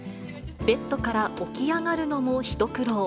ベッドから起き上がるのも一苦労。